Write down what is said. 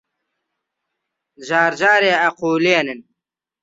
جار جارێ ئەقوولێنن